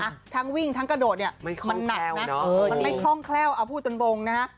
ทั้งวิ่งทั้งกระโดดเนี่ยมันหนักนะมันไม่คล่องแคล่วเอาพูดตรงนะฮะ